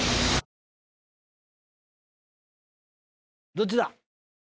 ・どっちだ？